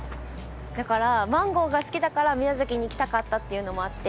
だから、マンゴーが好きだから宮崎に行きたかったっていうのもあって。